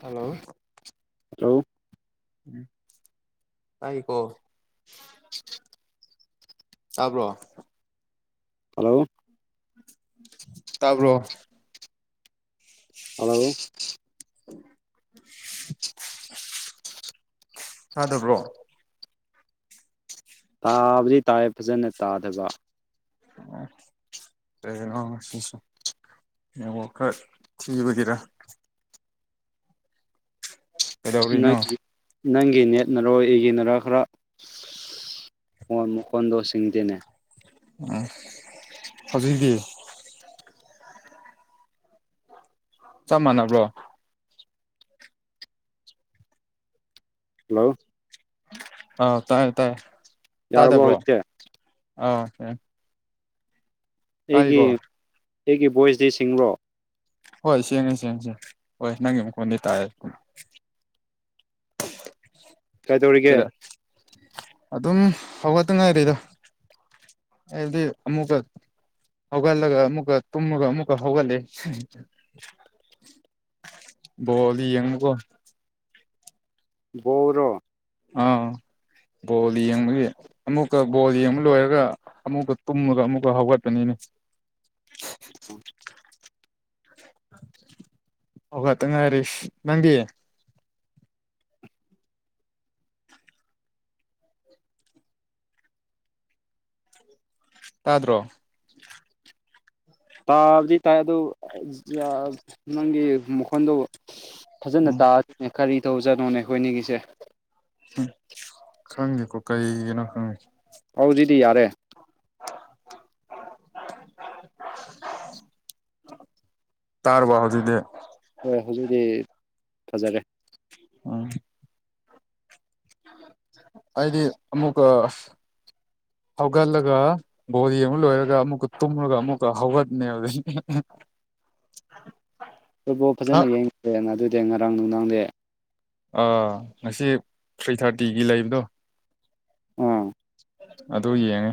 hello hello ꯎꯝ ꯇꯥꯏ ꯀꯣꯣ ꯆꯕ꯭ꯔꯣ ꯍꯜꯂꯣ ꯇꯥꯕ꯭ꯔꯣ [unintelligible] ꯍꯥꯎ [unintelligible] ꯇꯥꯗꯕ꯭ꯔꯣ ꯇꯥꯕꯨꯗꯤ ꯇꯥꯏ ꯐꯖꯅ ꯇꯥꯗꯕ ꯑꯁ ꯋꯥ ꯈ ꯊꯤꯒꯗꯔꯥ ꯅꯪ ꯀꯩꯗꯧꯔꯤꯅꯣ ꯅꯪꯒꯤꯅꯦ ꯅꯔꯣꯏ ꯏꯒꯤ ꯅꯔ ꯈꯔ ꯃꯈꯣꯟ ꯃꯈꯣꯟꯗꯣ ꯁꯤꯡꯗꯦꯅꯦ ꯎꯝ ꯍꯧꯖꯤꯛꯗꯤ ꯆꯞ ꯃꯥꯟꯅꯕ꯭ꯂꯣ ꯍꯜꯂꯣ ꯑꯥꯎ ꯇꯥꯏꯌꯦ ꯇꯥꯏꯌꯦ ꯌꯥꯔꯕꯣ ꯍꯦ ꯑ ꯍꯦ ꯑꯩꯒꯤ ꯇꯥꯏꯒꯣ ꯑꯩꯒꯤ ꯚꯣꯏꯁꯇ ꯁꯤꯡꯂꯣ ꯍꯣꯏ ꯁꯦꯡꯉ ꯁꯦꯡꯁꯦ ꯍꯣꯏ ꯅꯪꯒꯤ ꯃꯈꯣꯟꯗꯤ ꯇꯥꯏꯔꯦ ꯑꯗꯨ ꯀꯥꯏ ꯇꯧꯔꯤꯒꯦ ꯀꯩꯗ ꯑꯗꯨꯝ ꯍꯧꯒꯠꯇ ꯉꯥꯏꯔꯤꯗꯣ ꯑꯩꯗꯤ ꯑꯃꯨꯛꯀ ꯍꯒꯜꯂꯗꯒ ꯃꯛ ꯇꯒ ꯃꯀ ꯍꯒꯜꯂꯤꯦ ꯕꯣꯜꯂꯤ ꯌꯦꯡꯉꯀꯣ ꯕꯧꯣꯔ ꯑ ꯕꯣꯜ ꯌꯦꯡꯕꯒꯤ ꯑꯃꯨꯛꯀ ꯕꯣꯜ ꯌꯦꯡꯕ ꯂꯣꯏꯔꯒ ꯑꯃꯨꯛꯀ ꯇꯨꯝꯃꯒ ꯑꯃꯨꯛꯀ ꯍꯧꯒꯠꯄꯅꯤꯅ [inaudible] ꯁ ꯑꯣꯈꯇ ꯉꯥꯏꯔꯤꯁ ꯅꯪꯒꯤ ꯇꯥ꯭ꯔꯣ ꯇꯥꯕꯗꯤ ꯇꯥꯏ ꯑꯗꯨ ꯅꯪꯒꯤ ꯃꯈꯣꯟꯗꯨꯣ ꯐꯖꯅ ꯎꯝ ꯇꯥꯛꯑꯅꯦ ꯀꯔꯤ ꯇꯧꯖꯥꯅꯣꯅꯦ ꯑꯩꯈꯣꯏꯅꯤꯒꯤꯁꯦ ꯎ ꯈꯪꯉꯦꯀꯣ ꯀꯩꯒꯤꯅꯣ ꯈꯪꯉꯦ ꯍꯧꯖꯤꯛꯇꯤ ꯌꯥꯔꯦ [inaudible] ꯇꯥꯔ ꯋꯥꯍꯗꯤꯗ ꯍꯣꯏ ꯍꯧꯖꯤꯛꯇꯤ ꯐꯖꯔꯦ ꯎꯝ ꯑꯩꯗꯤ ꯑꯃꯨꯀ ꯍꯧꯒꯠꯂꯒ ꯕꯣꯔꯤ ꯑꯃꯛ ꯂꯣꯏꯔꯒ ꯑꯃꯨꯛꯀ ꯇꯨꯝꯃꯒ ꯑꯃꯨꯛꯀ ꯍꯧꯒꯠꯅꯦꯕꯗꯤ ꯑ ꯑꯗꯨꯠꯐꯣ ꯐꯖꯅ ꯌꯦꯡꯈ꯭ꯔꯦꯅ ꯑꯗꯨꯗꯤ ꯉꯔꯥꯡ ꯅꯨꯡꯗꯥꯡꯗꯤ ꯑꯥ ꯉꯁꯤ ꯊ꯭ꯔꯤ ꯊꯥꯔꯇꯤꯒꯤ ꯂꯩꯕꯗꯣ ꯎꯝ ꯑꯗꯨ ꯌꯦꯡꯉꯦ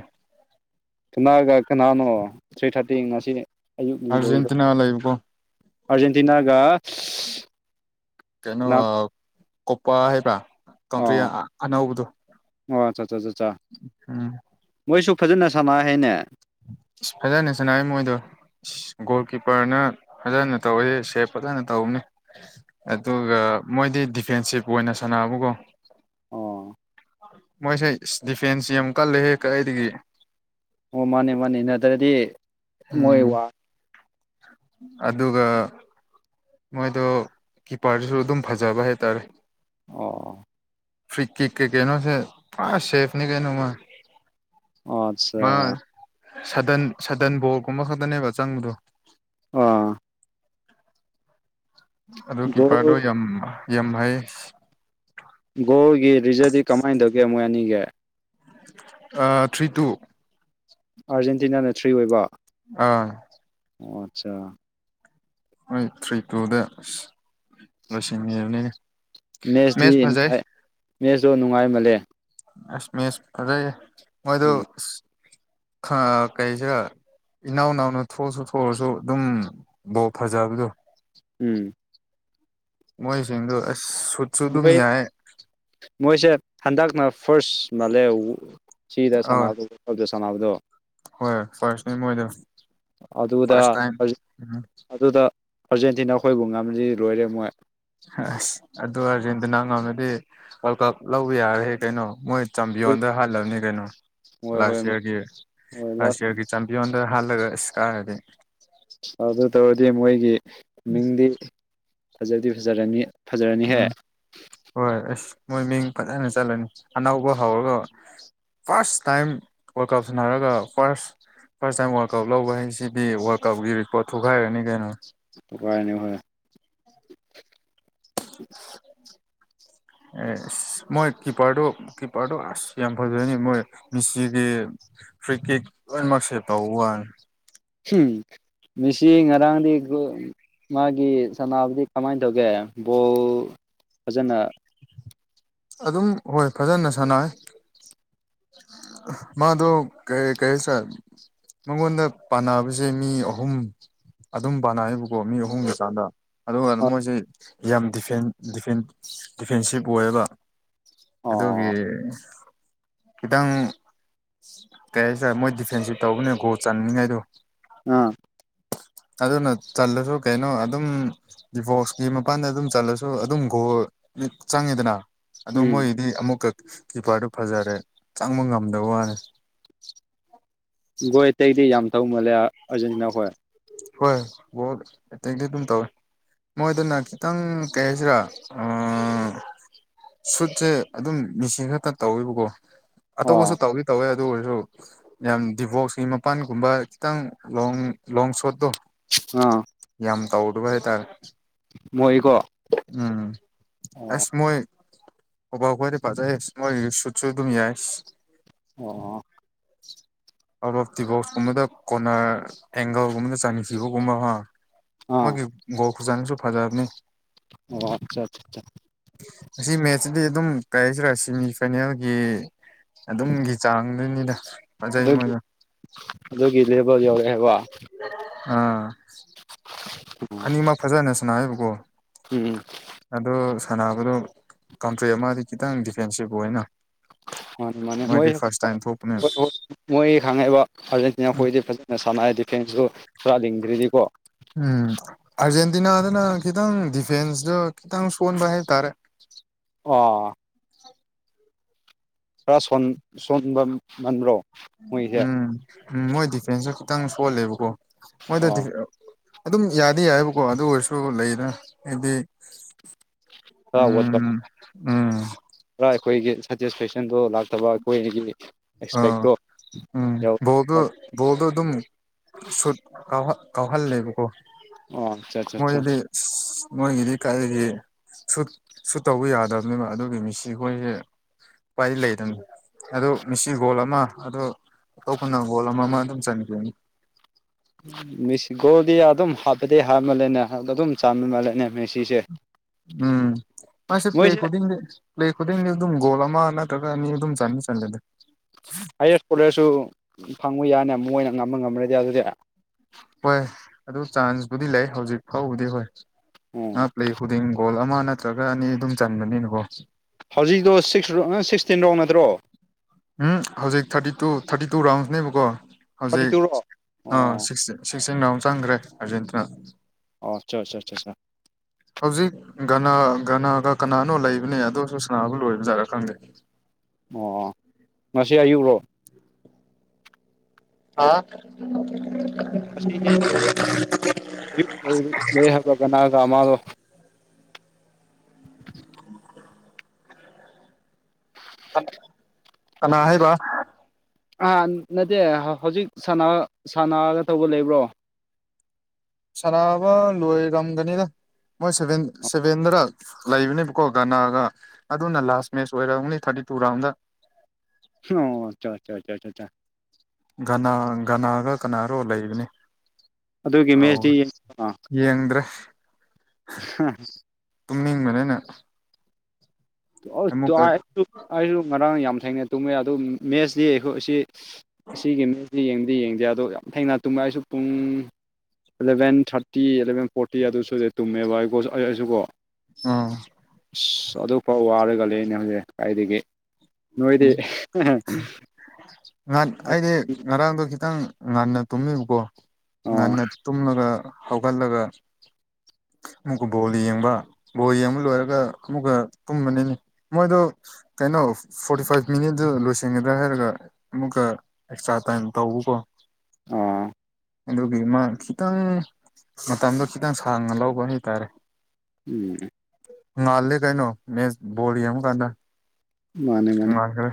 ꯀꯅꯥꯒ ꯀꯅꯥꯅꯣ ꯊ꯭ꯔꯤ ꯊꯥꯔꯇꯤ ꯉꯁꯤ ꯑꯔꯖꯦꯟꯇꯤꯅꯥ ꯋꯥ ꯏꯕꯀꯣ ꯑꯔꯖꯦꯟꯇꯅꯥꯒ ꯀꯩꯅꯣ ꯀꯣꯄ ꯍꯥꯏꯕ꯭ꯔꯥ ꯀꯇ꯭ꯔꯤ ꯑꯣ ꯑꯅꯧꯕꯗꯣ ꯑꯣ ꯆꯥ ꯑꯝ ꯃꯣꯏꯁꯨ ꯐꯖꯅ ꯁꯝꯃꯛ ꯍꯥꯏꯦꯅꯦ ꯐꯖꯅꯦ ꯁꯅꯏ ꯃꯣꯏꯗ ꯒꯣꯜ ꯀꯤꯞꯄꯔꯅ ꯐꯖꯅ ꯇꯧꯋ ꯁꯦꯞ ꯐꯖꯅ ꯇꯧꯅꯦ ꯑꯗꯨꯒ ꯃꯣꯏꯗꯤ ꯗꯤꯐꯦꯟꯁꯤꯞ ꯑꯣꯏꯅ ꯁꯥꯟꯅꯕꯀꯣ ꯑꯣ ꯃꯣꯏꯁꯦ ꯗꯤꯐꯦꯟꯁ ꯌꯥꯝꯨ ꯀꯜꯂꯦ ꯍꯦꯛ ꯀ ꯑꯩꯗꯒꯤ ꯑꯣ ꯃꯥꯅꯦ ꯃꯥꯅꯤ ꯅꯠꯇ꯭ꯔꯗꯤ ꯃꯣꯏ ꯎꯝ ꯋꯥ ꯑꯗꯨꯒ ꯃꯣꯏꯗꯣ ꯀꯤꯄꯔꯗꯨꯁꯨ ꯑꯗꯨꯝ ꯐꯖꯕ ꯍꯥꯏꯇꯥꯔꯦ ꯑꯣ ꯐꯤꯀꯤ ꯏꯀꯤ ꯀꯩꯩꯅꯣꯁꯦ ꯄꯨꯥ ꯁꯦꯐꯅꯤ ꯀꯦꯅ ꯃꯥ ꯑꯠꯆꯥ ꯃꯥ ꯁꯗꯟ ꯁꯗꯟ ꯕꯣꯔꯒꯨꯝꯕ ꯈꯛꯇꯅꯦꯕ ꯆꯪꯕꯗꯣ ꯑꯥ ꯑꯗꯨ ꯀꯤꯄꯔꯗꯣ ꯒꯣꯜ ꯌꯥꯝ ꯌꯥꯝ ꯍꯥꯏꯩ ꯒꯣꯒꯤ ꯔꯤꯖꯔꯗꯤ ꯀꯃꯥꯏꯅ ꯇꯧꯒꯦ ꯃꯣꯏ ꯑꯅꯤꯒ ꯊ꯭ꯔꯤ ꯇꯨ ꯑꯥꯔꯖꯦꯟꯇꯤꯅꯥꯅ ꯊ꯭ꯔꯤ ꯑꯣꯏꯕ ꯑꯥ ꯑꯣ ꯑꯆꯥ ꯑꯩꯣꯏ ꯊ꯭ꯔꯤ ꯇꯨꯗ ꯂꯁꯤꯡ ꯍꯔꯅꯤ ꯃꯦꯠꯁꯇꯤ ꯅꯨꯡꯉꯥꯏ ꯃꯦꯠꯁꯇꯣ ꯅꯨꯡꯉꯥꯏꯃꯜꯂꯦ ꯑꯁ ꯃꯤꯁ ꯑꯗꯩ ꯃꯣꯏꯗꯨ ꯎꯝ ꯍꯥ ꯀꯩꯁ ꯏꯅꯥꯎ ꯏꯅꯥꯎꯅ ꯊꯣꯛꯑꯁꯨ ꯊꯣꯛꯑꯁꯨ ꯑꯗꯨꯝ ꯕꯣ ꯐꯖꯕꯗꯣ ꯎꯝ ꯃꯍꯤꯁꯤꯡꯗꯨ ꯑꯁ ꯁꯨꯠꯁꯨ ꯑꯗꯨꯝ ꯃꯣꯏ ꯌꯥꯏ ꯃꯣꯏꯁꯦ ꯍꯟꯗꯛꯅ ꯐꯥꯔꯁ ꯃꯥꯂꯦ ꯁꯤꯗ ꯑ ꯁꯗꯣꯗꯣ ꯁꯅꯕꯗꯣ ꯍꯣꯏ ꯍꯣꯏ ꯐꯥꯔꯁ ꯃꯣꯏꯗ ꯐꯥꯔꯁ ꯑꯗꯨꯗ ꯇ ꯎꯝ ꯑꯗꯨꯗ ꯑꯥꯔꯖꯦꯟꯇꯤꯅꯥ ꯑꯩꯈꯣꯏꯕꯨ ꯉꯝꯁꯤ ꯂꯣꯏꯔꯦ ꯃꯣꯏ ꯑꯁ ꯑꯗꯨ ꯑꯥꯔꯖꯦꯟꯇꯤꯅꯥ ꯉꯅꯗꯤ ꯋꯥꯔꯜ ꯀꯞ ꯂꯧꯕ ꯌꯥꯔꯍꯦ ꯀꯩꯅꯣ ꯃꯣꯏ ꯆꯝꯕꯤꯌꯣꯟꯗ ꯍꯜꯂꯕꯅꯤ ꯀꯩꯅꯣ ꯍꯣꯏ ꯍꯣꯏ ꯂꯥꯁ ꯏꯌꯥꯔꯒꯤ ꯂꯥꯁ ꯏꯌꯥꯔꯒꯤ ꯆꯝꯕꯤꯌꯣꯟ ꯍꯜꯂꯒꯁ ꯀꯥꯏꯗꯤ ꯑꯗꯨ ꯇꯧꯔꯗꯤ ꯃꯣꯏꯒꯤ ꯃꯤꯡꯗꯤ ꯐꯖꯗꯤ ꯐꯖꯔꯅꯤ ꯐꯖꯔꯅꯤꯍꯦ ꯎꯝ ꯍꯣꯏ ꯑꯁ ꯃꯣꯏ ꯃꯤꯡ ꯐꯖꯅ ꯆꯠꯂꯅꯤ ꯑꯅꯧꯕ ꯍꯧꯔꯒ ꯐꯥꯔꯁ ꯇꯥꯏꯝ ꯋꯥꯔꯜ ꯀꯞ ꯁꯥꯟꯅꯔꯒ ꯐꯥꯔꯁ ꯐꯥꯔꯁ ꯇꯥꯏꯝ ꯋꯥꯔꯜꯀꯞ ꯂꯧꯕ ꯍꯥꯏ ꯁꯤꯗꯤ ꯋꯥꯔꯜ ꯀꯞꯀꯤ ꯔꯤꯄꯣꯔꯠ ꯊꯨꯈꯥꯏꯔꯅꯤ ꯀꯩꯅꯣ ꯇ ꯀꯥꯏꯅꯤ ꯍ [unintelligible] [inaudible] ꯑꯦ ꯑꯁ ꯃꯣꯏ ꯀꯤꯄꯔꯗꯣ ꯀꯤꯄꯔꯗꯣ ꯑꯁ ꯌꯥꯝ ꯐꯖꯅꯤ ꯃꯣꯏ ꯃꯤꯁꯤꯒꯤ ꯀ꯭ꯔꯤꯀꯦꯠ ꯂꯣꯏꯅꯃꯛꯁꯦ ꯇꯧꯕ ꯋꯥꯅꯤ ꯎ ꯃꯤꯁꯤ ꯉꯔꯥꯡꯗꯤ ꯃꯥꯒꯤ ꯒꯤ ꯁꯅꯥꯕꯨꯗꯤ ꯀꯃꯥꯏꯅ ꯇꯧꯒꯦ ꯕꯣꯜ ꯐꯖꯅ ꯑꯗꯨꯝ ꯍꯣꯏ ꯐꯖꯅ ꯁꯥꯟꯅ ꯃꯥꯗꯨ ꯀ ꯀꯩꯁ ꯃꯉꯣꯟꯗ ꯄꯥꯟꯅꯕꯁꯦ ꯃꯤ ꯑꯍꯨꯝ ꯑꯗꯨꯝ ꯄꯥꯟꯅꯑꯕꯀꯣ ꯃꯤ ꯑꯍꯨꯝ ꯂꯩꯀꯥꯟꯗ ꯑꯗꯨꯒ ꯑꯣ ꯃꯣꯏꯁꯦ ꯌꯥꯝ ꯗꯤꯐꯦꯟꯁꯤꯞ ꯑꯣꯏꯌꯦꯕ ꯑꯗꯨꯒꯦ ꯑꯥ ꯈꯤꯇꯪ ꯀꯩ ꯍꯥꯏꯁꯔꯦ ꯃꯣꯏ ꯗꯤꯐꯦꯟꯁꯤꯞ ꯇꯧꯕꯅꯦ ꯒꯣꯜ ꯆꯟꯅꯤꯡꯉꯥꯏꯗꯣ ꯑꯥ [unintelligible] [inaudible] ꯑꯗꯨꯅ ꯆꯜꯂꯁꯨ ꯀꯩꯅꯣ ꯑꯗꯨꯝ ꯗꯤꯕꯣꯔꯁꯀꯤ ꯃꯄꯥꯟꯗ ꯑꯗꯨꯝ ꯆꯜꯂꯁꯨ ꯑꯗꯨꯝ ꯒꯣ ꯆꯪꯉꯤꯗꯅ ꯑꯗꯣ ꯎꯝ ꯃꯣꯏꯗꯤ ꯑꯃꯨꯛꯀ ꯆꯤꯄꯔꯗꯨ ꯐꯖꯔꯦ ꯆꯪꯕ ꯉꯝꯗꯕ ꯋꯥꯅꯤ ꯒꯣꯏ ꯑꯇꯩꯗꯤ ꯌꯥꯝ ꯊꯧ ꯃꯥꯜꯂꯦ ꯑꯥꯔꯖꯦꯟꯇꯤꯅꯥ ꯍꯣꯏ ꯍꯣꯏ ꯕꯣ ꯑꯇꯩꯇꯩꯗꯤ ꯑꯗꯨꯝ ꯇꯧꯋꯦ ꯃꯣꯏꯗꯅ ꯈꯤꯇꯪ ꯀꯩ ꯍꯥꯏꯁꯤꯔꯥ ꯁꯨꯠꯁꯦ ꯑꯗꯨꯝ ꯃꯤꯁꯤ ꯈꯛꯇ ꯇꯧꯋꯕꯀꯣ ꯑꯣ ꯑꯇꯣꯞꯄꯁꯨ ꯇꯧꯋꯤ ꯇꯧꯋꯦ ꯑꯗꯨ ꯑꯣꯏꯔꯁꯨ ꯌꯥꯝ ꯗꯤꯕꯣꯔꯁꯀꯤ ꯃꯄꯥꯟꯒꯨꯝꯕ ꯈꯤꯇꯪ ꯂ ꯂꯣꯡ ꯁꯠꯗꯣ ꯑꯥ ꯇꯥꯎꯗꯨ ꯥꯏ ꯇꯥ ꯃꯣꯏꯀꯣ ꯎꯝ ꯑꯣ ꯑꯦꯁ ꯃꯣꯏ ꯍꯣꯕ ꯍ ꯄꯖꯥꯏ ꯃꯣꯏ ꯆꯠ ꯁ ꯑꯗꯨꯃꯤ ꯌꯦ ꯌꯥꯏꯁ ꯑꯣ ꯑꯥꯎꯠ ꯑꯣꯐ ꯗꯤꯕꯣꯛꯁꯀꯨꯝꯕꯗ ꯀꯣꯅꯔ ꯑꯦꯡꯒꯜꯒꯨꯝꯕꯗ ꯆꯥꯈꯤꯕꯒꯨꯝꯕ ꯑꯃ ꯑꯥ ꯃꯒꯤ ꯥꯎ ꯐꯨꯖꯥꯅꯤꯁꯨ ꯐꯥꯖꯥꯔꯅꯤ ꯑꯣ ꯑꯠꯆꯥ ꯑ ꯁꯤꯗꯤ ꯑꯗꯨꯝ ꯀꯔꯤꯁꯤꯔꯥ ꯁꯤꯦꯃꯤꯐꯥꯏꯅꯦꯜꯒꯤ ꯑꯗꯨꯝꯒꯤ ꯆꯥꯡꯗꯨꯅꯤꯗ ꯐꯖꯩ ꯑꯗꯨꯒꯤ ꯃꯣꯏꯗꯣ ꯑꯗꯨꯒꯤ ꯂꯦꯕꯔ ꯌꯧꯔꯛꯑꯦꯕ ꯑꯥ ꯑꯅꯤꯃꯛ ꯐꯖꯅꯦ ꯁꯅ ꯍꯥꯏꯕꯀꯣ ꯎꯝ ꯑꯗꯣ ꯁꯥꯟꯅꯕꯗꯣ ꯀꯟꯇ꯭ꯔꯤ ꯑꯃꯗꯤ ꯈꯤꯇꯪ ꯗꯤꯐꯦꯟꯁꯤꯞ ꯑꯣꯏꯅ ꯃꯥꯅꯤ ꯃꯥꯅꯤ ꯃꯣꯏ ꯃꯣꯏꯗꯤ ꯐꯥꯔꯁ ꯇꯥꯏꯝ ꯊꯣꯛꯄꯅꯦ ꯃꯣꯏ ꯈꯪꯉꯛꯏꯕ ꯍꯧꯖꯤ ꯑꯩꯈꯣꯏꯗꯤ ꯐꯖꯅ ꯁꯥꯟꯅꯩ ꯗꯤꯐꯦꯟꯁꯇꯨ ꯁꯔꯥ ꯂꯤꯡꯗ꯭ꯔꯤꯗꯤꯀꯣ ꯎꯝ ꯑꯔꯖꯦꯟ ꯗꯤꯅꯥꯗꯅ ꯈꯤꯇꯪ ꯗꯤꯐꯦꯟꯁꯇ ꯈꯤꯇꯪ ꯁꯣꯟꯕ ꯍꯥꯏꯇꯥꯔꯦ ꯑ ꯈꯔ ꯁꯣꯟꯕ ꯃꯥꯟꯕ꯭ꯔꯣ ꯎꯝ ꯎꯝ ꯃꯣꯏ ꯗꯤꯐꯦꯟꯁꯁꯨ ꯈꯤꯇꯪ ꯁꯣꯜꯂꯦꯕꯀꯣ ꯃꯣꯏꯗ ꯑꯣ ꯑꯗꯨꯝ ꯌꯥꯗꯤꯦ ꯌꯥꯏꯕꯀꯣ ꯑꯗꯨ ꯑꯣꯏꯔꯁꯨ ꯂꯩꯗ ꯍꯥꯏꯗꯤ ꯎꯝ ꯎꯝ ꯄꯨꯔ ꯑꯩꯈꯣꯏꯒꯤ ꯁꯦꯇꯤꯁꯐꯦꯛꯁꯟꯗꯣ ꯂꯥꯛꯇꯕ ꯑꯩꯈꯣꯏꯒꯤ ꯑꯥ ꯑꯦꯛꯁꯄꯦꯛꯇꯣ ꯎꯝ ꯌꯧ ꯕꯣꯜꯗꯣ ꯑꯣ ꯕꯣꯜꯗꯣ ꯑꯗꯨꯝ ꯁꯨꯠ ꯀꯥꯎꯍꯜꯂꯦꯕꯀꯣ ꯑꯣ ꯑꯆꯥ ꯑꯆꯥ ꯑ ꯃꯣꯏꯗꯤ ꯃꯣꯏꯒꯤꯗꯤ ꯀꯔꯤꯒꯤ ꯁꯨ ꯁꯨꯠ ꯇꯧꯕ ꯌꯥꯗꯕꯅꯦꯕ ꯑꯗꯨꯒꯤ ꯃꯤꯁꯤ ꯑꯩꯈꯣꯏꯁꯦ ꯄꯏꯗꯤ ꯂꯩꯗꯅꯤ ꯑꯗꯨ ꯃꯤꯁꯤ ꯒꯣꯜ ꯑꯃ ꯑꯣ ꯇꯣꯈꯅꯪꯒꯣꯂ ꯑꯃ ꯃꯥ ꯑꯗꯨꯝ ꯆꯪ ꯦꯁꯤ ꯒꯣꯜꯗꯤ ꯑꯗꯨꯝ ꯍꯥꯞꯄꯗꯤ ꯍꯥꯞ ꯃꯥꯜꯂꯦꯅꯦ ꯑꯗꯨꯝ ꯆꯥꯟ ꯃꯥꯜꯂꯦꯅꯦ ꯃꯦꯁꯤꯁꯦ ꯎꯝ ꯃꯁꯦ ꯄ꯭ꯂꯦ ꯃꯣꯏꯁꯦ ꯈꯨꯗꯤꯦ ꯄ꯭ꯂꯦ ꯈꯨꯗꯤꯡꯗꯤ ꯑꯗꯨꯝ ꯒꯣꯜ ꯑꯃ ꯅꯠꯇ꯭ꯔꯒ ꯑꯅꯤ ꯑꯗꯨꯝ ꯆꯅꯤ ꯆꯜꯂꯗ ꯍꯔꯦꯄꯣꯠꯂꯁꯨ ꯐꯪꯉꯨ ꯌꯥꯅꯤ ꯃꯣꯏꯅ ꯉꯝꯕ ꯉꯝꯃꯨꯔꯗꯤ ꯑꯗꯨꯗꯤ ꯍꯣꯏ ꯑꯗꯨ ꯆꯥꯟꯁꯄꯨꯗꯤ ꯂꯩ ꯍꯧꯖꯤꯛ ꯐꯥꯎꯕꯗꯤ ꯍꯣꯏ ꯉ ꯎꯝ ꯄ꯭ꯂꯦ ꯈꯨꯗꯤꯡ ꯒꯣꯜ ꯑꯃ ꯅꯠꯇ꯭ꯔꯒ ꯑꯅꯤ ꯑꯗꯨꯝ ꯆꯟꯕꯅꯤꯅꯀꯣ ꯨꯇ꯭ꯔꯣ ꯎꯝ ꯍꯧꯖꯤꯛ ꯊꯥꯔꯇꯤ ꯇꯨ ꯊꯥꯔꯇꯤ ꯇꯨ ꯔꯥꯎꯟꯁꯅꯦꯕꯀꯣ ꯊꯥꯔꯇꯤ ꯍꯧꯖꯤꯛ ꯇꯨꯔꯣ ꯑꯥ ꯑꯣ ꯁꯤ ꯁꯤꯛꯁꯇꯤꯟ ꯔꯥꯎꯝ ꯆꯪꯈ꯭ꯔꯦ ꯑꯥꯔꯖꯦꯟꯇꯤꯅꯥ ꯑꯣ ꯑꯠꯆꯥ ꯑꯠꯆꯥ ꯑꯠꯆꯥ ꯑꯠꯆꯥ ꯍꯧꯖꯤꯛ ꯅ ꯒꯅꯥꯒ ꯀꯅꯥꯅꯣ ꯂꯩꯕꯅꯦ ꯑꯗꯨꯁꯨ ꯁꯅꯥꯕ ꯂꯣꯏꯕꯖꯥꯠꯔ ꯈꯪꯗꯦ ꯑꯣ ꯉꯁꯤ ꯑꯌꯨꯛꯂꯣ ꯑ ꯑꯁꯤꯗꯤ ꯂꯩ ꯍꯥꯏꯕ ꯍꯥꯏꯕ ꯀꯅꯥꯗꯃꯗꯣ ꯀꯅꯥ ꯍꯥꯏꯕ ꯑ ꯅꯠꯇꯦ ꯍꯧꯖꯤꯛ ꯁꯥꯟꯅꯔꯒ ꯇꯧꯕ ꯂꯩꯕ꯭ꯔꯣ ꯁꯅꯥꯕ ꯂꯣꯏꯔꯝꯒꯅꯤꯗ ꯃꯣꯏ ꯁꯚꯦꯟ ꯁꯚꯦꯟꯗꯔ ꯂꯩꯕꯅꯦꯕꯀꯣ ꯒꯅꯥꯒ ꯑꯗꯨꯅ ꯂꯥꯁ ꯃꯦꯠꯆ ꯑꯣꯏꯔꯦ ꯑꯣꯡꯂꯤ ꯊꯥꯔꯇꯤ ꯄꯨꯔ ꯑ ꯑꯣ ꯆ ꯒꯅꯥ ꯒꯅꯥꯒ ꯀꯅꯥꯔꯣ ꯂꯩꯕꯅꯤ ꯑꯗꯨꯒꯤ ꯑ ꯃꯦꯠꯁꯇꯤ ꯌꯦꯡꯗ꯭ꯔꯦ ꯍꯝ ꯇꯨꯝꯅꯤꯡꯕꯅꯦ ꯑꯩꯅ ꯑꯩꯁꯨ ꯉꯔꯥꯡ ꯌꯥꯝ ꯊꯦꯡꯅꯩ ꯇꯨꯝꯃꯦ ꯑꯗꯨ ꯃꯦꯠꯁꯇꯤ ꯑꯩꯈꯣꯏ ꯑꯁꯤ ꯑꯁꯤꯒꯤ ꯃꯤꯁꯤ ꯌꯦꯡꯗꯤ ꯌꯦꯡꯗꯦ ꯑꯗꯣ ꯌꯥꯝ ꯊꯦꯡꯅ ꯇꯨꯝꯃꯛ ꯑꯩꯁꯨ ꯄꯨꯡ ꯑꯦꯂꯚꯦꯟ ꯊꯥꯔꯇꯤ ꯑꯦꯂꯚꯦꯟ ꯐꯣꯔꯇꯤ ꯑꯗꯨꯁꯨ ꯑꯗꯨ ꯇꯨꯝꯃꯦꯕ ꯑꯩꯣ ꯑꯩ ꯑꯩꯁꯨꯀꯣ ꯑꯝ ꯑꯁ ꯑꯗꯨꯐꯥꯎ ꯋꯥꯔꯒ ꯂꯩ ꯑꯅꯦ ꯍꯧꯖꯤꯛ ꯀꯥꯏꯗꯒꯤ ꯎꯝ ꯅꯣꯏꯗꯤ ꯉꯥꯟ ꯑꯩꯗꯤ ꯉꯔꯥꯡꯗꯈꯤ ꯈꯤꯇꯪ ꯉꯟꯅ ꯇꯨꯝꯃꯤꯕꯀꯣ ꯑꯣ ꯉꯟꯅ ꯇꯨꯝꯂꯒ ꯍꯧꯒꯠꯂꯒ ꯑꯃꯨꯛꯀ ꯕꯣꯜ ꯌꯦꯡꯕ ꯕꯣꯜ ꯌꯦꯡꯕ ꯂꯣꯏꯔꯒ ꯑꯃꯨꯛꯀ ꯇꯨꯝꯕꯅꯤꯅꯤ ꯃꯣꯏꯗꯣ ꯀꯩꯅꯩꯅꯣ ꯐꯣꯔꯇꯤ ꯐꯥꯏꯚ ꯃꯤꯅꯤꯠꯗꯨ ꯂꯣꯏꯁꯟꯒꯗ꯭ꯔꯥ ꯍꯥꯏꯔꯒ ꯑꯃꯨꯛꯀ ꯑꯦꯛꯁꯇ꯭ꯔꯥ ꯇꯥꯏꯝ ꯇꯧꯕꯀꯣ ꯑ ꯑꯗꯨꯒꯤ ꯃꯥ ꯈꯤꯇꯪ ꯃꯇꯝꯗꯣ ꯈꯤꯇꯪ ꯁꯥꯡꯅ ꯂꯧꯕ ꯍꯥꯏꯇꯥꯔꯦ ꯎꯝ ꯉꯜꯂꯤ ꯀꯩꯅꯩ ꯃꯦꯁ ꯕꯣꯜ ꯌꯦꯡꯕꯀꯥꯟꯗꯥ ꯃꯥꯅꯦ ꯃꯥꯅꯦ ꯅꯣꯡꯉꯥꯜꯈ꯭ꯔ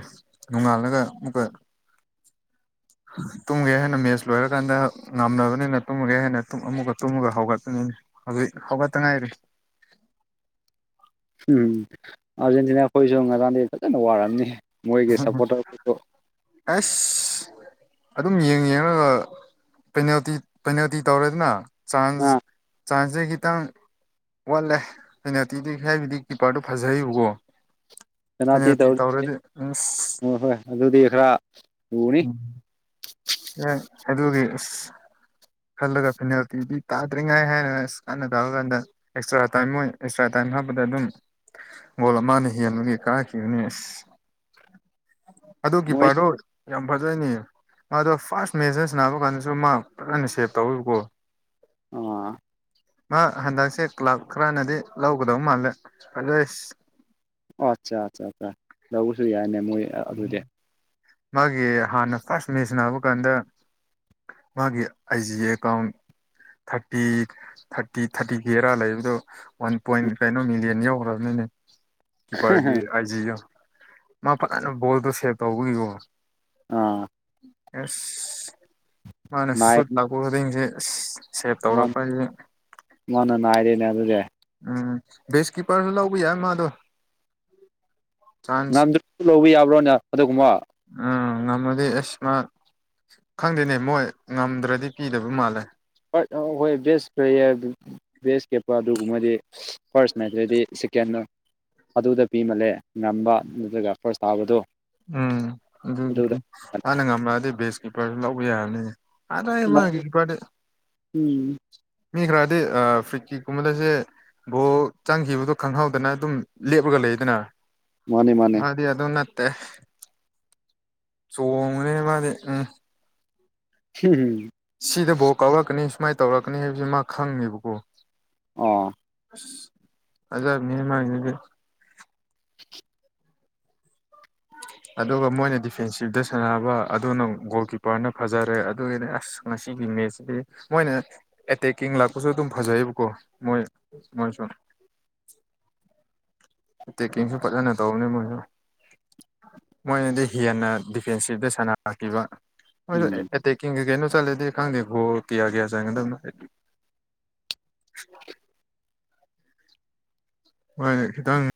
ꯅꯣꯡꯉꯥꯜꯂꯒ ꯑꯃꯨꯛꯀ ꯇꯨꯝꯒꯦ ꯍꯥꯏꯅ ꯃꯦꯠꯆ ꯂꯣꯏꯔꯀꯥꯟꯗ ꯉꯝꯅꯕꯅꯤꯅ ꯇꯨꯝꯃꯒꯦ ꯍꯥꯏꯅ ꯑꯃꯨꯛꯒ ꯇꯨꯝꯃꯒ ꯍꯧꯒꯠꯄꯅꯤꯅ ꯍꯧꯖꯤꯛ ꯍꯧꯠꯇꯉꯥꯏꯔꯤ ꯎꯝ ꯑꯥꯔꯖꯦꯟꯇꯤꯅꯥ ꯑꯩꯈꯣꯏꯁꯨ ꯉꯔꯥꯟꯗꯤ ꯐꯖꯅ ꯋꯥꯔꯝꯅꯤ ꯃꯣꯏꯒꯤ ꯁꯥꯄꯣꯔꯇꯔꯗꯣ ꯑꯁ ꯑꯗꯨꯝ ꯌꯦꯡ ꯌꯦꯡꯉꯒ ꯄꯦꯅꯥꯜꯇꯤ ꯄꯦꯅꯥꯜꯇꯤ ꯇꯧꯔꯦꯗꯅ ꯑ ꯆꯥꯟꯖ ꯆꯥꯟꯁꯁꯦ ꯈꯤꯇꯪ ꯋꯥꯠꯂꯦ ꯄꯦꯅꯥꯜꯇꯤꯗꯨ ꯍꯥꯏꯕꯗꯤ ꯀꯤꯞꯄꯔꯗꯨ ꯐꯖꯩꯕꯀꯣ ꯄꯦꯅꯥꯢꯜꯇꯤ ꯇꯧꯔꯗꯤ ꯑꯁ ꯍꯣꯏ ꯍꯣꯏ ꯑꯗꯨꯗꯤ ꯈꯔ ꯂꯨꯅꯤ ꯎꯝ ꯑꯗꯨꯒꯤ ꯈꯜꯂꯒ ꯐꯦꯅꯥꯜꯇꯤꯗꯤ ꯇꯥꯗ꯭ꯔꯤꯉꯥꯏ ꯍꯥꯏꯅ ꯑꯁ ꯀꯥꯟꯅ ꯇꯥꯕ ꯀꯥꯟꯗ ꯑꯦꯛꯁꯇ꯭ꯔꯥ ꯇꯥꯏꯃꯤꯡ ꯑꯣꯢ ꯑꯦꯛꯁꯇ꯭ꯔꯥ ꯍꯥꯞꯄꯗ ꯑꯗꯨꯝ ꯒꯣꯜ ꯑꯃꯅ ꯍꯦꯟꯕꯒꯤ ꯀꯥꯈꯤꯕꯅꯦ ꯑꯁ ꯑꯗꯣ ꯃꯣꯏꯁꯦ ꯀꯤꯄꯔꯗꯣ ꯑꯗꯨꯅꯦ ꯃꯥꯗꯣ ꯐꯥꯔꯁ ꯃꯦꯖꯔꯁ ꯅꯥꯕ ꯀꯥꯟꯗꯁꯨ ꯃꯥ ꯐꯖꯅ ꯁꯦꯞ ꯇꯧꯋꯤꯕꯀꯣ ꯑ ꯃꯥ ꯍꯟꯗꯛꯁꯦ ꯀ꯭ꯂꯕ ꯈꯔꯅꯗꯤ ꯂꯧꯒꯗꯧ ꯃꯥꯜꯂꯦ ꯑꯗꯣꯏꯁ ꯑꯣ ꯑꯠꯆꯥ ꯑꯠꯆꯥ ꯑ ꯂꯧꯕꯁꯨ ꯌꯥꯏꯅꯦ ꯃꯣꯏ ꯑꯗꯨꯗꯤ ꯃꯥꯒꯤ ꯍꯥꯟꯅ ꯐꯥꯔꯁ ꯃꯦꯁ ꯁꯅꯥꯕ ꯀꯥꯟꯗ ꯃꯥꯒꯤ I G account thirty thirty ꯊꯥꯔꯇꯤꯒꯤꯔꯥ ꯂꯩꯕꯗꯣ ꯋꯥꯟ ꯄꯣꯏꯟ ꯀꯩꯅꯣ ꯃꯤꯂꯤꯌꯟ ꯌꯧꯈ꯭ꯔꯕꯅꯤꯅ ꯎ ꯀꯤꯞꯄꯔꯒꯤ ꯑꯥꯏꯖꯤꯒ ꯃꯥ ꯐꯖꯅ ꯕꯣꯜꯗꯣ ꯁꯦꯞ ꯇꯧꯕꯒꯤꯀꯣ ꯑ ꯑꯦꯁ ꯃꯥꯅꯦ ꯅꯥꯏ ꯁꯨꯠ ꯂꯥꯛꯄ ꯈꯨꯗꯤꯡꯁꯤ ꯁꯦꯚ ꯇꯧꯔꯛꯄꯒꯤ ꯃꯥꯅ ꯅꯥꯏꯔꯦꯅꯦ ꯑꯗꯨꯗꯤ ꯎꯝ ꯕꯦꯁꯀꯤꯞꯄꯔ ꯂꯧꯕ ꯌꯥꯏ ꯃꯥꯗꯣ ꯆꯥꯟꯁ ꯉꯝꯗꯨ ꯂꯧꯕ ꯌꯥꯕ꯭ꯔꯣꯅꯦ ꯑꯗꯨꯒꯨꯝꯕ ꯎꯝ ꯉꯝꯃꯗꯤ ꯑꯦꯁ ꯃ ꯈꯪꯗꯦꯅꯦ ꯃꯣꯏ ꯉꯝꯗ꯭ꯔꯗꯤ ꯄꯤꯗꯕ ꯃꯥꯜꯂꯦ ꯍꯣꯏ ꯕꯦꯁ ꯄ꯭ꯂꯦꯌꯔ ꯕꯦꯁ ꯀꯦꯄꯔ ꯑꯗꯨꯒꯨꯝꯕꯗꯤ ꯐꯥꯔꯁ ꯃꯅꯥꯠꯇꯗꯤ ꯆꯤꯀꯦꯟ ꯑꯗꯨꯗ ꯄꯤꯃꯜꯂꯦ ꯉꯝꯕ ꯑꯗꯨꯒ ꯐꯥꯔꯁ ꯊꯥꯕꯗꯣ ꯎꯝ ꯑꯗꯨꯒꯤꯗꯤ ꯍꯥꯟꯅ ꯉꯝꯃꯛꯑꯗꯤ ꯕꯦꯁꯀꯤꯞꯄꯔꯁꯨ ꯂꯧꯕ ꯌꯥꯔꯅꯤ ꯑꯔ ꯃꯥꯅꯤ ꯃꯥꯒ ꯀꯤꯄꯔꯗꯤ ꯎꯝ ꯃꯤ ꯈꯔꯗꯤ ꯑ ꯐꯨꯔꯤꯠꯀꯤ ꯀꯨꯝꯕꯗꯁꯦ ꯕꯣ ꯆꯪꯈꯤꯕꯗꯣ ꯈꯪꯍꯧꯗꯅ ꯑꯗꯨꯝ ꯂꯦꯞꯂꯒ ꯂꯩꯗꯅ ꯃꯥꯅꯦ ꯃꯥꯅꯦ ꯑꯗꯨꯗꯤ ꯑꯗꯨ ꯅꯠꯇꯦ ꯆꯣꯡꯉꯣꯅꯦ ꯃꯥꯅꯦ ꯎꯝ ꯍꯝ ꯍꯨꯝ ꯀꯃꯥꯏꯅ ꯇꯧꯔꯛꯀꯅꯤ ꯍꯥꯏꯕꯁꯤ ꯃꯥ ꯈꯪꯉꯦꯕꯀꯣ ꯑ [unintelligible] ꯑꯗꯨꯒ ꯃꯣꯏꯅ ꯗꯤꯐꯦꯟꯁꯤꯞꯇ ꯁꯥꯟꯅꯕ ꯑꯗꯨꯅ ꯒꯣꯜ ꯀꯤꯞꯄꯔꯅ ꯐꯖꯔꯦ ꯑꯗꯨꯒꯤꯅꯦ ꯑꯁ ꯑꯁꯤꯒꯤ ꯃꯦꯠꯁꯤꯗꯤ ꯃꯣꯏꯅ ꯑꯦꯇꯦꯛꯀꯤꯡ ꯂꯥꯛꯄꯁꯨ ꯑꯗꯨꯝ ꯐꯖꯩꯌꯦꯕꯀꯣ ꯃꯣꯏ ꯃꯣꯏꯁꯨ [inaudible] ꯀꯁꯨ ꯄꯖ ꯅ ꯇꯅꯦ ꯃꯨ ꯃꯣꯏꯅꯗꯤ ꯍꯦꯟꯅ ꯗꯤꯐꯦꯟꯁꯤꯞꯇ ꯁꯥꯟꯅꯔꯛꯈꯤꯕ ꯃꯣꯏꯗ ꯎꯝ ꯑꯦꯇꯦꯛꯀꯤꯡꯒꯤ ꯀꯩꯅꯣ ꯆꯂꯦ ꯗꯣ ꯀꯌꯥꯒꯌꯥ ꯆꯒ ꯑꯗꯨ ꯍꯣꯏ ꯁꯤꯈꯤꯇꯪ